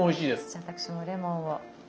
じゃあ私もレモンを。